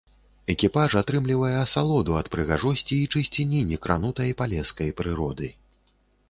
Экіпаж атрымлівае асалоду ад прыгажосці і чысціні некранутай палескай прыроды.